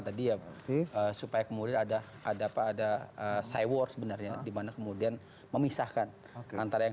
tadi ya supaya kemudian ada ada apa ada side war sebenarnya dimana kemudian memisahkan antara yang